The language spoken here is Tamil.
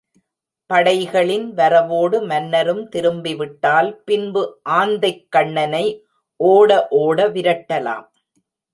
படைகளின் வரவோடு மன்னரும் திரும்பிவிட்டால் பின்பு ஆந்தைக்கண்ணனை ஓட ஓட விரட்டலாம்.